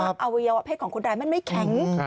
อวัยวะเพศของคนร้ายมันไม่แข็ง